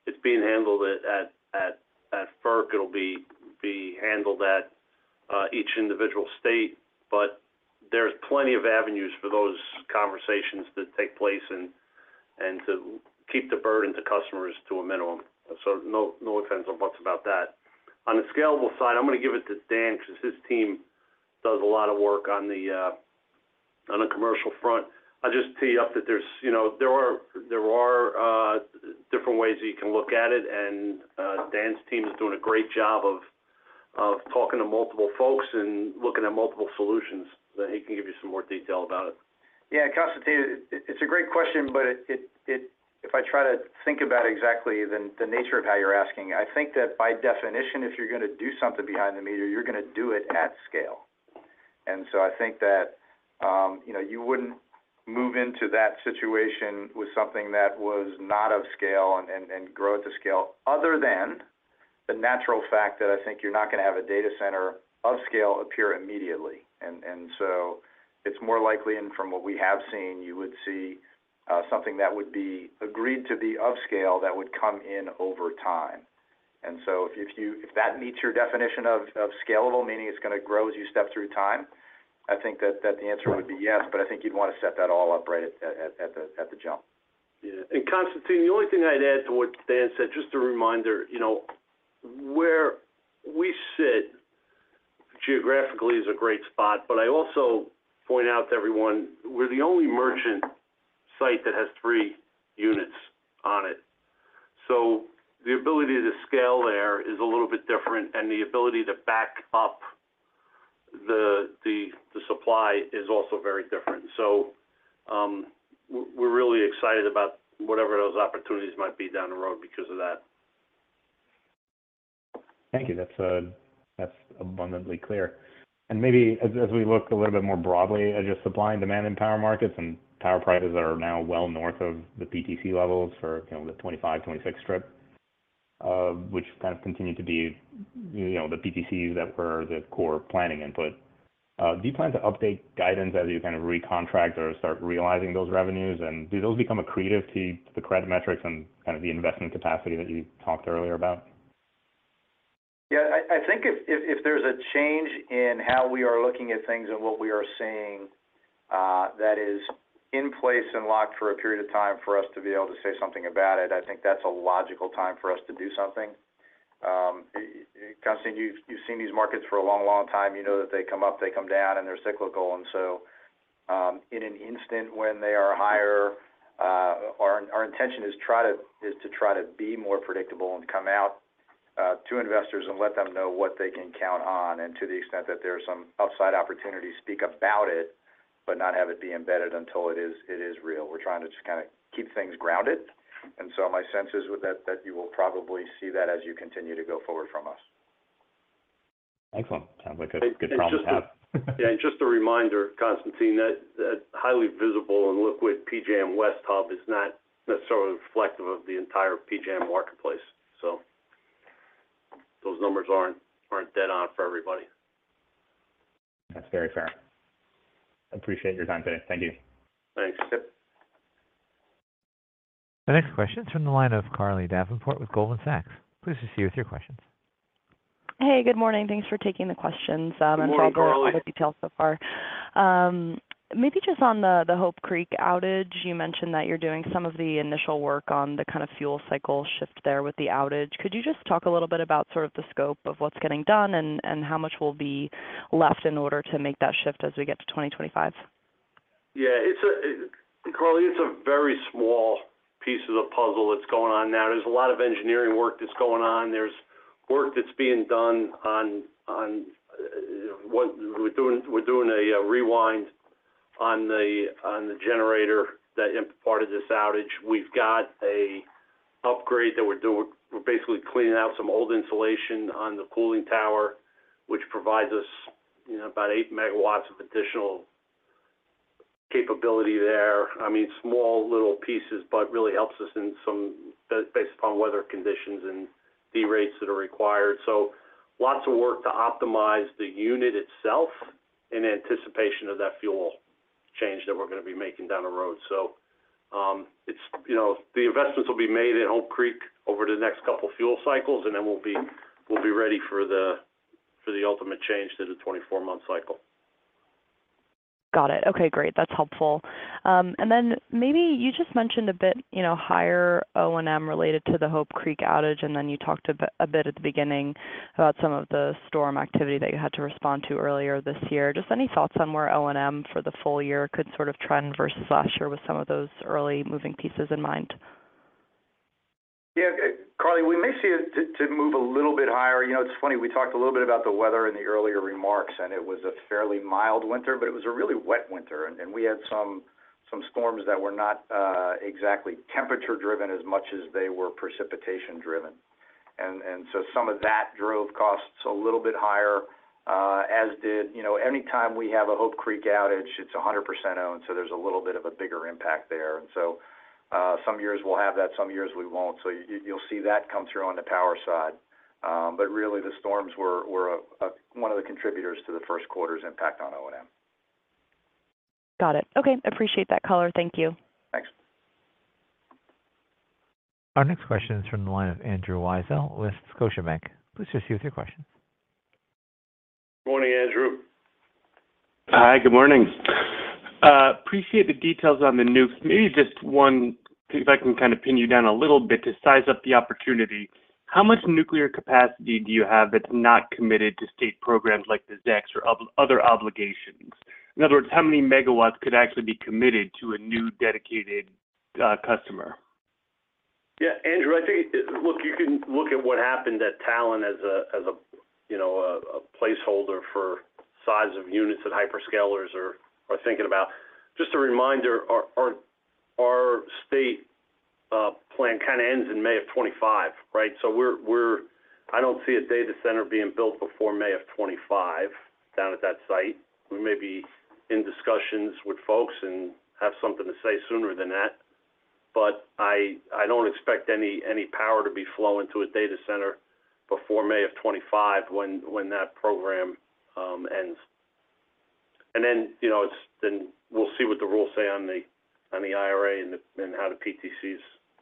It's being handled at FERC. It'll be handled at each individual state, but there's plenty of avenues for those conversations to take place and to keep the burden to customers to a minimum. So no concerns on what's about that. On the scalable side, I'm going to give it to Dan, because his team does a lot of work on the commercial front. I'll just tee up that there's, you know, there are different ways you can look at it, and Dan's team is doing a great job of talking to multiple folks and looking at multiple solutions, that he can give you some more detail about it. Yeah, Constantine, it's a great question, but it, if I try to think about exactly the nature of how you're asking, I think that by definition, if you're gonna do something behind the meter, you're gonna do it at scale. And so I think that, you know, you wouldn't move into that situation with something that was not of scale and grow at the scale, other than the natural fact that I think you're not going to have a data center of scale appear immediately. And so it's more likely, and from what we have seen, you would see something that would be agreed to be of scale that would come in over time. And so if you—if that meets your definition of scalable, meaning it's gonna grow as you step through time, I think that the answer would be yes, but I think you'd want to set that all up right at the jump. Yeah. And Constantine, the only thing I'd add to what Dan said, just a reminder, you know, where we sit- ...geographically is a great spot, but I also point out to everyone, we're the only merchant site that has three units on it. So the ability to scale there is a little bit different, and the ability to back up the supply is also very different. So, we're really excited about whatever those opportunities might be down the road because of that. Thank you. That's abundantly clear. And maybe as we look a little bit more broadly at just supply and demand in power markets and power prices that are now well north of the PTC levels for, you know, the 2025, 2026 strip, which kind of continue to be, you know, the PTCs that were the core planning input. Do you plan to update guidance as you kind of recontract or start realizing those revenues? And do those become accretive to the credit metrics and kind of the investment capacity that you talked earlier about? Yeah, I think if there's a change in how we are looking at things and what we are seeing, that is in place and locked for a period of time for us to be able to say something about it, I think that's a logical time for us to do something. Constantine, you've seen these markets for a long, long time. You know that they come up, they come down, and they're cyclical. And so, in an instant, when they are higher, our intention is to try to be more predictable and come out to investors and let them know what they can count on, and to the extent that there are some upside opportunities, speak about it, but not have it be embedded until it is real. We're trying to just kind of keep things grounded, and so my sense is with that, that you will probably see that as you continue to go forward from us. Excellent. Sounds like a good problem to have. Yeah, and just a reminder, Constantine, that highly visible and liquid PJM West Hub is not necessarily reflective of the entire PJM marketplace. So those numbers aren't dead on for everybody. That's very fair. I appreciate your time today. Thank you. Thanks. The next question is from the line of Carly Davenport with Goldman Sachs. Please proceed with your questions. Hey, good morning. Thanks for taking the questions. Good morning, Carly. For all the details so far. Maybe just on the Hope Creek outage, you mentioned that you're doing some of the initial work on the kind of fuel cycle shift there with the outage. Could you just talk a little bit about sort of the scope of what's getting done and how much will be left in order to make that shift as we get to 2025? Yeah, it's Carly, it's a very small piece of the puzzle that's going on now. There's a lot of engineering work that's going on. There's work that's being done on what we're doing, a rewind on the generator that imparted this outage. We've got a upgrade that we're doing. We're basically cleaning out some old insulation on the cooling tower, which provides us, you know, about 8 MW of additional capability there. I mean, small little pieces, but really helps us in some based upon weather conditions and the rates that are required. So lots of work to optimize the unit itself in anticipation of that fuel change that we're going to be making down the road. You know, the investments will be made at Hope Creek over the next couple of fuel cycles, and then we'll be ready for the ultimate change to the 24-month cycle. Got it. Okay, great. That's helpful. And then maybe you just mentioned a bit, you know, higher O&M related to the Hope Creek outage, and then you talked a bit at the beginning about some of the storm activity that you had to respond to earlier this year. Just any thoughts on where O&M for the full year could sort of trend versus last year with some of those early moving pieces in mind? Yeah, Carly, we may see it to move a little bit higher. You know, it's funny, we talked a little bit about the weather in the earlier remarks, and it was a fairly mild winter, but it was a really wet winter, and we had some storms that were not exactly temperature-driven as much as they were precipitation-driven. So some of that drove costs a little bit higher, as did... You know, anytime we have a Hope Creek outage, it's 100% owned, so there's a little bit of a bigger impact there. Some years we'll have that, some years we won't. So you'll see that come through on the power side. But really, the storms were one of the contributors to the first quarter's impact on O&M. Got it. Okay. Appreciate that color. Thank you. Thanks. Our next question is from the line of Andrew Weisel with Scotiabank. Please proceed with your questions. Morning, Andrew. Hi, good morning. Appreciate the details on the nuke. Maybe just one, if I can kind of pin you down a little bit to size up the opportunity. How much nuclear capacity do you have that's not committed to state programs like the ZECs or other obligations? In other words, how many megawatts could actually be committed to a new dedicated customer? Yeah, Andrew, I think, look, you can look at what happened at Talen as a, you know, a placeholder for size of units that hyperscalers are thinking about. Just a reminder, our state plan kind of ends in May of 2025, right? So we're-- I don't see a data center being built before May of 2025 down at that site. We may be in discussions with folks and have something to say sooner than that, but I don't expect any power to be flowing to a data center before May of 2025 when that program ends. And then, you know, it's-- then we'll see what the rules say on the IRA and how the PTCs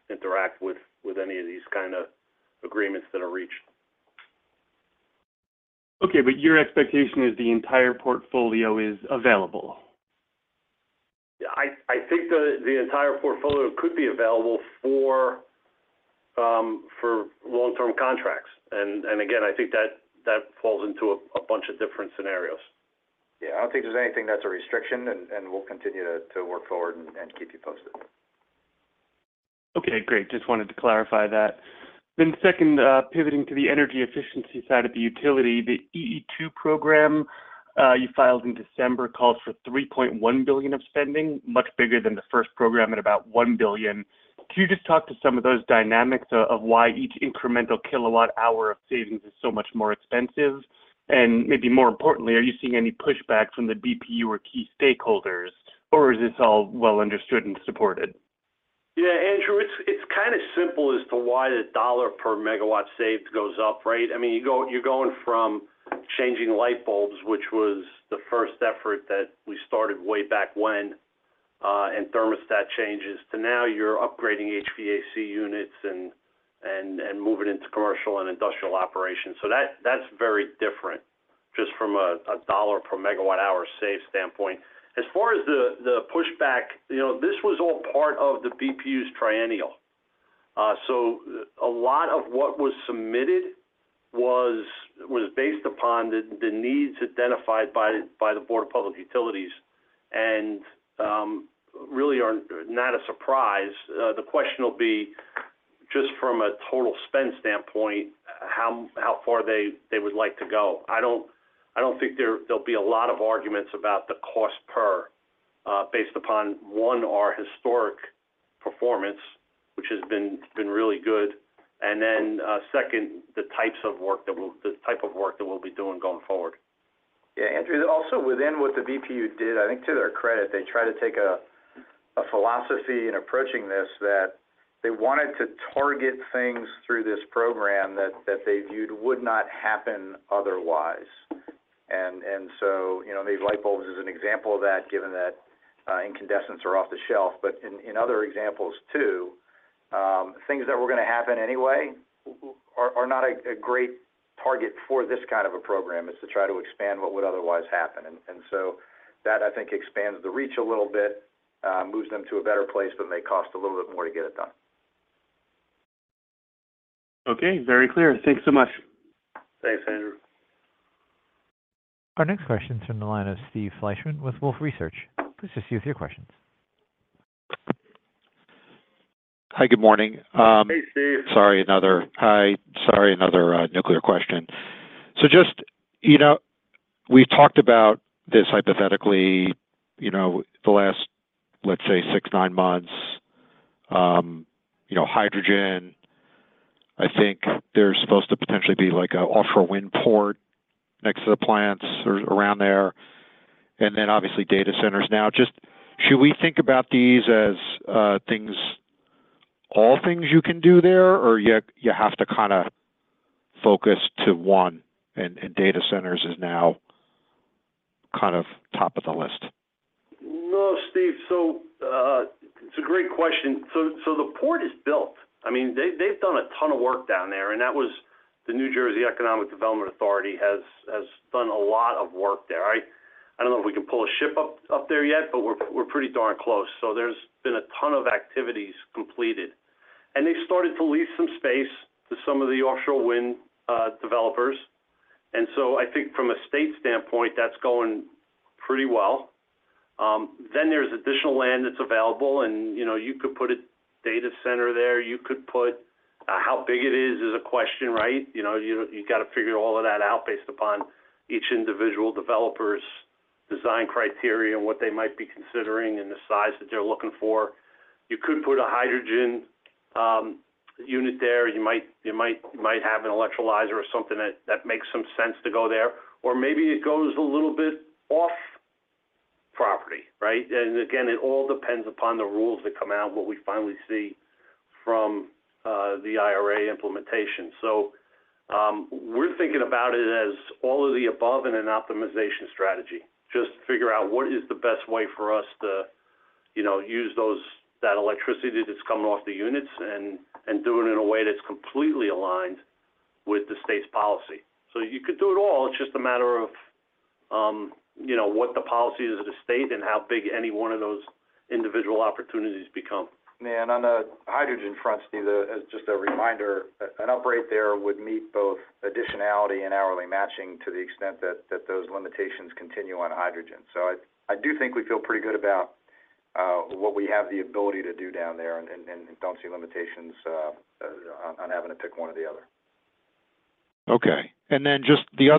interact with any of these kind of agreements that are reached. Okay, but your expectation is the entire portfolio is available?... I think the entire portfolio could be available for long-term contracts. And again, I think that falls into a bunch of different scenarios. Yeah, I don't think there's anything that's a restriction, and we'll continue to work forward and keep you posted. Okay, great. Just wanted to clarify that. Then second, pivoting to the energy efficiency side of the utility, the EE2 program, you filed in December, calls for $3.1 billion of spending, much bigger than the first program at about $1 billion. Can you just talk to some of those dynamics of why each incremental kilowatt hour of savings is so much more expensive? And maybe more importantly, are you seeing any pushback from the BPU or key stakeholders, or is this all well understood and supported? Yeah, Andrew, it's kind of simple as to why the dollar per megawatt saved goes up, right? I mean, you're going from changing light bulbs, which was the first effort that we started way back when, and thermostat changes, to now you're upgrading HVAC units and moving into commercial and industrial operations. So that's very different, just from a dollar per megawatt hour saved standpoint. As far as the pushback, you know, this was all part of the BPU's triennial. So a lot of what was submitted was based upon the needs identified by the Board of Public Utilities, and really are not a surprise. The question will be, just from a total spend standpoint, how far they would like to go. I don't think there'll be a lot of arguments about the cost per, based upon, one, our historic performance, which has been really good, and then, second, the type of work that we'll be doing going forward. Yeah, Andrew, also within what the BPU did, I think to their credit, they tried to take a philosophy in approaching this, that they wanted to target things through this program that they viewed would not happen otherwise. And so, you know, these light bulbs is an example of that, given that incandescents are off the shelf. But in other examples, too, things that were gonna happen anyway are not a great target for this kind of a program. It's to try to expand what would otherwise happen. And so that, I think, expands the reach a little bit, moves them to a better place, but may cost a little bit more to get it done. Okay, very clear. Thanks so much. Thanks, Andrew. Our next question is from the line of Steve Fleishman with Wolfe Research. Please proceed with your questions. Hi, good morning. Hey, Steve. Sorry, another... Hi, sorry, another nuclear question. So just, you know, we've talked about this hypothetically, you know, the last, let's say, 6, 9 months, you know, hydrogen. I think there's supposed to potentially be, like, a offshore wind port next to the plants or around there, and then obviously, data centers now. Just should we think about these as things, all things you can do there, or you, you have to kind of focus to one, and, and data centers is now kind of top of the list? No, Steve. So, it's a great question. So, the port is built. I mean, they've done a ton of work down there, and that was the New Jersey Economic Development Authority has done a lot of work there. I don't know if we can pull a ship up there yet, but we're pretty darn close. So there's been a ton of activities completed. And they started to lease some space to some of the offshore wind developers. And so I think from a state standpoint, that's going pretty well. Then there's additional land that's available and, you know, you could put a data center there, you could put-- How big it is, is a question, right? You know, you got to figure all of that out based upon each individual developer's design criteria and what they might be considering and the size that they're looking for. You could put a hydrogen unit there. You might have an electrolyzer or something that makes some sense to go there, or maybe it goes a little bit off property, right? And again, it all depends upon the rules that come out, what we finally see from the IRA implementation. So, we're thinking about it as all of the above in an optimization strategy. Just figure out what is the best way for us to, you know, use that electricity that's coming off the units and do it in a way that's completely aligned with the state's policy. So you could do it all. It's just a matter of, you know, what the policy is of the state and how big any one of those individual opportunities become. Yeah, and on the hydrogen front, Steve, as just a reminder, an uprate there would meet both additionality and hourly matching to the extent that those limitations continue on hydrogen. So I do think we feel pretty good about what we have the ability to do down there and don't see limitations on having to pick one or the other. Okay. And then just the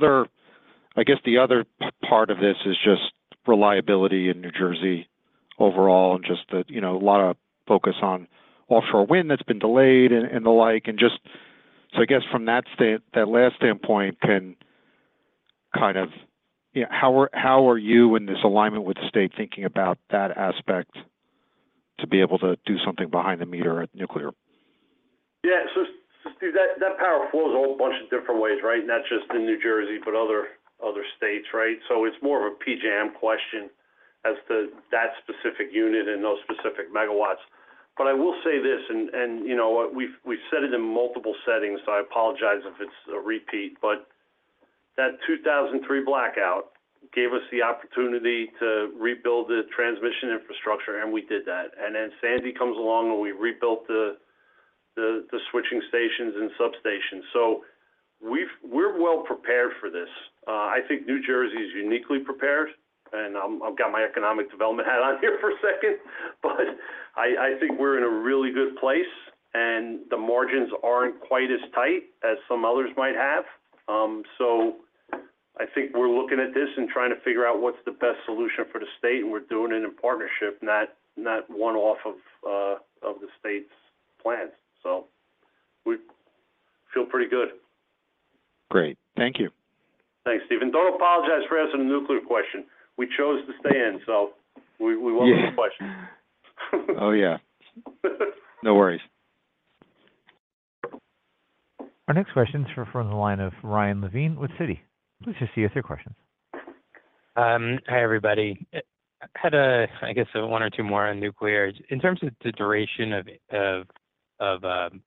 other—I guess the other part of this is just reliability in New Jersey overall, and just that, you know, a lot of focus on offshore wind that's been delayed and the like. And just... So I guess from that standpoint, that last standpoint, can kind of, you know, how are, how are you in this alignment with the state, thinking about that aspect to be able to do something behind the meter at nuclear? Yeah. So, Steve, that power flows a whole bunch of different ways, right? Not just in New Jersey, but other states, right? So it's more of a PJM question as to that specific unit and those specific megawatts. But I will say this, and you know, we've said it in multiple settings, so I apologize if it's a repeat, but that 2003 blackout gave us the opportunity to rebuild the transmission infrastructure, and we did that. Then Sandy comes along, and we rebuilt the switching stations and substations. So we're well prepared for this. I think New Jersey is uniquely prepared, and I've got my economic development hat on here for a second, but I think we're in a really good place, and the margins aren't quite as tight as some others might have. So I think we're looking at this and trying to figure out what's the best solution for the state, and we're doing it in partnership, not one-off of the state's plans. So we feel pretty good. Great. Thank you. Thanks, Steven. Don't apologize for asking a nuclear question. We chose to stay in, so we welcome the question. Oh, yeah. No worries. Our next question is from the line of Ryan Levine with Citi. Please just give us your question. Hi, everybody. I had a, I guess, one or two more on nuclear. In terms of the duration of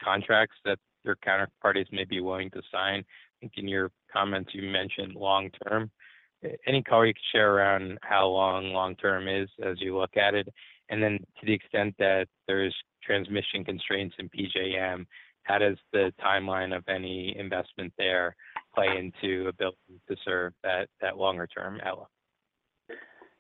contracts that your counterparties may be willing to sign, I think in your comments you mentioned long term. Any color you could share around how long long term is as you look at it? And then to the extent that there's transmission constraints in PJM, how does the timeline of any investment there play into ability to serve that longer term outlook?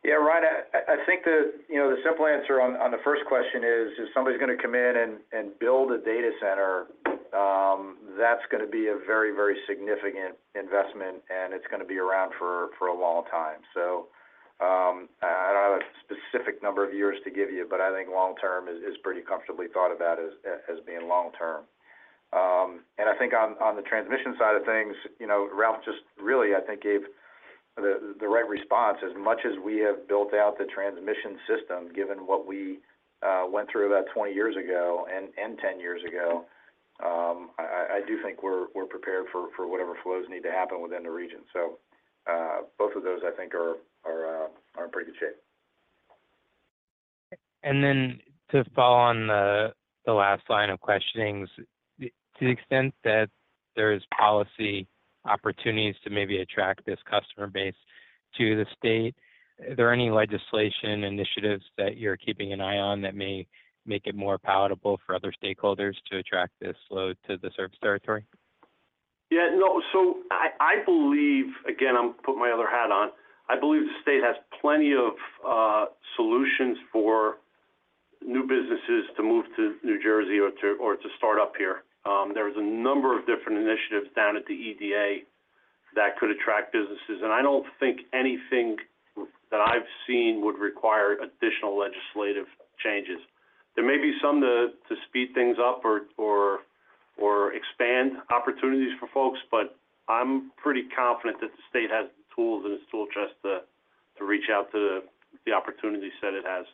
Yeah, Ryan, I think the, you know, the simple answer on the first question is, if somebody's going to come in and build a data center, that's going to be a very, very significant investment, and it's going to be around for a long time. So, I don't have a specific number of years to give you, but I think long term is pretty comfortably thought about as being long term. And I think on the transmission side of things, you know, Ralph just really, I think, gave the right response. As much as we have built out the transmission system, given what we went through about 20 years ago and 10 years ago, I do think we're prepared for whatever flows need to happen within the region. So, both of those, I think are in pretty good shape. Then to follow on the last line of questionings, to the extent that there's policy opportunities to maybe attract this customer base to the state, are there any legislation initiatives that you're keeping an eye on that may make it more palatable for other stakeholders to attract this load to the service territory? Yeah, no. So I believe, again, I'm putting my other hat on. I believe the state has plenty of solutions for new businesses to move to New Jersey or to start up here. There's a number of different initiatives down at the EDA that could attract businesses, and I don't think anything that I've seen would require additional legislative changes. There may be some to speed things up or expand opportunities for folks, but I'm pretty confident that the state has the tools in its tool chest to reach out to the opportunity set it has.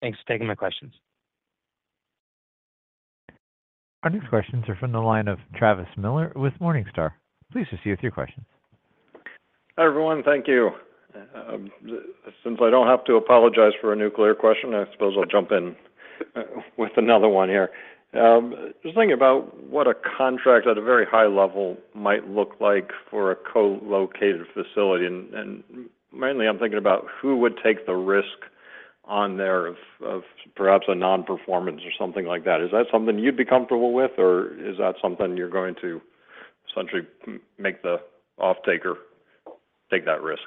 Thanks for taking my questions. Our next questions are from the line of Travis Miller with Morningstar. Please proceed with your questions. Hi, everyone. Thank you. Since I don't have to apologize for a nuclear question, I suppose I'll jump in with another one here. Just thinking about what a contract at a very high level might look like for a co-located facility, and mainly I'm thinking about who would take the risk on there of perhaps a non-performance or something like that. Is that something you'd be comfortable with, or is that something you're going to essentially make the offtaker take that risk?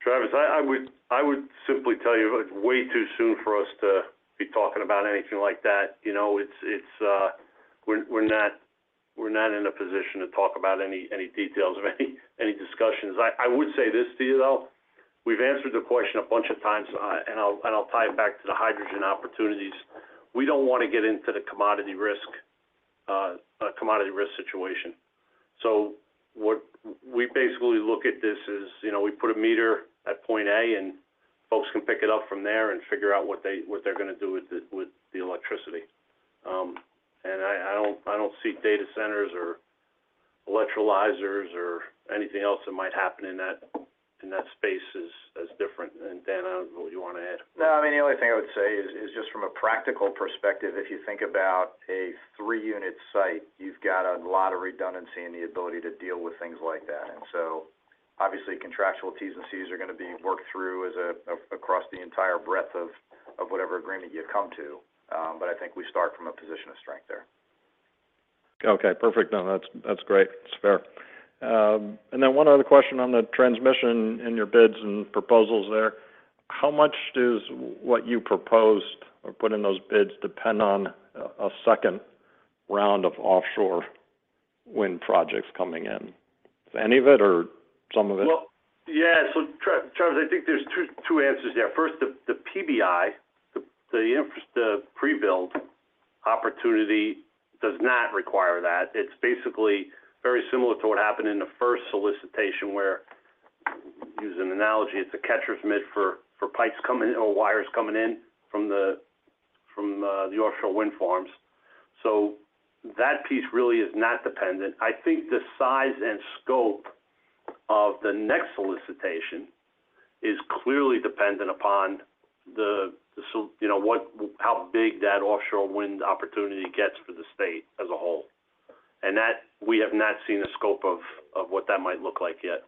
Travis, I would simply tell you it's way too soon for us to be talking about anything like that. You know, we're not in a position to talk about any details or any discussions. I would say this to you, though: We've answered the question a bunch of times, and I'll tie it back to the hydrogen opportunities. We don't want to get into the commodity risk, commodity risk situation. So what we basically look at this is, you know, we put a meter at point A, and folks can pick it up from there and figure out what they're going to do with the electricity. And I don't see data centers or electrolyzers or anything else that might happen in that space as different. And, Dan, you want to add? No, I mean, the only thing I would say is just from a practical perspective, if you think about a three-unit site, you've got a lot of redundancy and the ability to deal with things like that. And so obviously, contractual T's and C's are going to be worked through as across the entire breadth of whatever agreement you come to. But I think we start from a position of strength there. Okay, perfect. No, that's, that's great. It's fair. And then one other question on the transmission in your bids and proposals there. How much does what you proposed or put in those bids depend on a second round of offshore wind projects coming in? Any of it or some of it? Well, yeah. So Travis, I think there's two, two answers there. First, the PBI, the pre-build opportunity does not require that. It's basically very similar to what happened in the first solicitation, where, use an analogy, it's a catcher's mitt for pipes coming in or wires coming in from the offshore wind farms. So that piece really is not dependent. I think the size and scope. The next solicitation is clearly dependent upon the, the so, you know, what, how big that offshore wind opportunity gets for the state as a whole. And that, we have not seen the scope of what that might look like yet.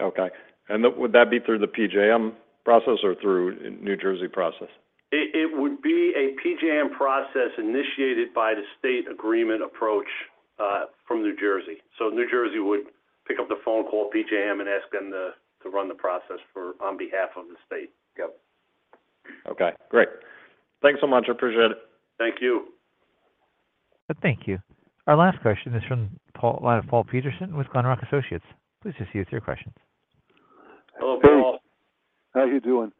Okay. Would that be through the PJM process or through New Jersey process? It would be a PJM process initiated by the State Agreement Approach from New Jersey. So New Jersey would pick up the phone, call PJM, and ask them to run the process for, on behalf of the state. Yep. Okay, great. Thanks so much, I appreciate it. Thank you. Thank you. Our last question is from Paul, line of Paul Patterson with Glenrock Associates. Please just give us your questions. Hello, Paul. How are you doing?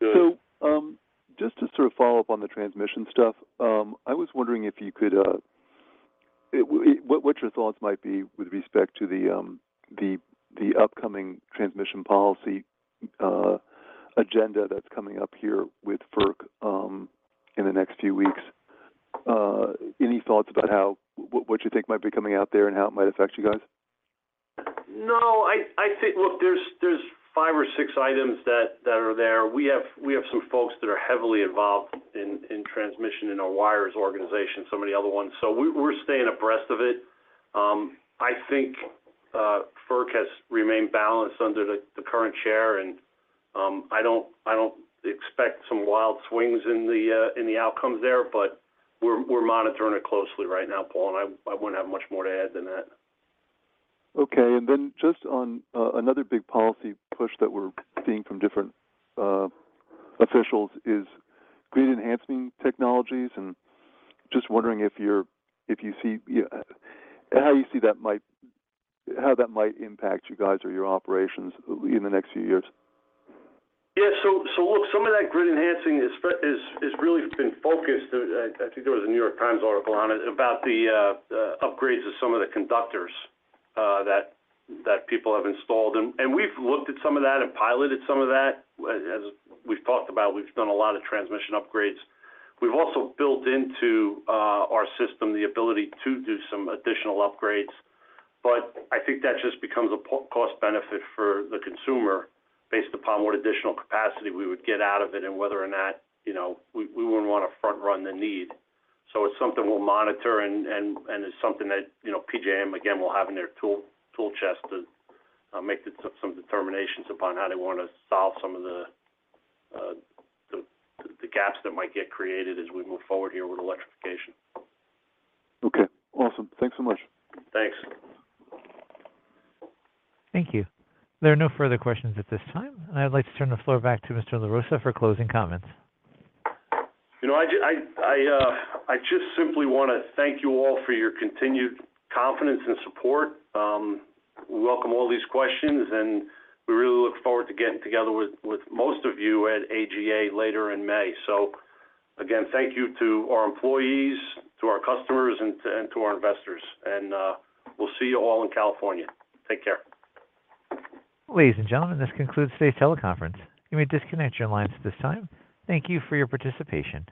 Good. So, just to sort of follow up on the transmission stuff, I was wondering if you could, what your thoughts might be with respect to the upcoming transmission policy agenda that's coming up here with FERC in the next few weeks. Any thoughts about what you think might be coming out there and how it might affect you guys? No, I think. Look, there's five or six items that are there. We have some folks that are heavily involved in transmission in our wires organization, some of the other ones. So we're staying abreast of it. I think FERC has remained balanced under the current chair, and I don't expect some wild swings in the outcomes there, but we're monitoring it closely right now, Paul, and I wouldn't have much more to add than that. Okay. And then just on another big policy push that we're seeing from different officials is grid enhancing technologies, and just wondering if you're, if you see how you see that might, how that might impact you guys or your operations in the next few years? Yeah. So look, some of that grid enhancing is really been focused. I think there was a New York Times article on it, about the upgrades of some of the conductors that people have installed. And we've looked at some of that and piloted some of that. As we've talked about, we've done a lot of transmission upgrades. We've also built into our system the ability to do some additional upgrades, but I think that just becomes a cost benefit for the consumer based upon what additional capacity we would get out of it, and whether or not, you know, we wouldn't want to front run the need. So it's something we'll monitor and it's something that, you know, PJM, again, will have in their tool chest to make some determinations upon how they want to solve some of the gaps that might get created as we move forward here with electrification. Okay, awesome. Thanks so much. Thanks. Thank you. There are no further questions at this time, and I'd like to turn the floor back to Mr. LaRossa for closing comments. You know, I just simply want to thank you all for your continued confidence and support. We welcome all these questions, and we really look forward to getting together with most of you at AGA later in May. So again, thank you to our employees, to our customers, and to our investors, and we'll see you all in California. Take care. Ladies and gentlemen, this concludes today's teleconference. You may disconnect your lines at this time. Thank you for your participation.